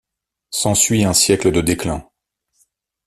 S'ensuit un siècle de déclin.